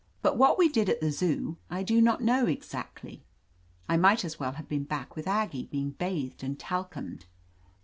But what we did at the Zoo I do not know ex actly. I might as well have been back with Aggie, being bathed and talcumed.